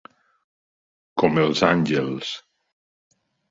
Com els àngels.